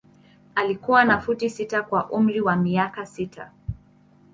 Alikuwa na futi sita kwa umri wa miaka sita.